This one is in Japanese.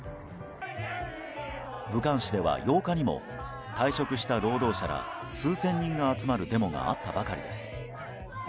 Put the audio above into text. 武漢市では８日にも退職した労働者ら数千人が集まるデモがあったばかりです。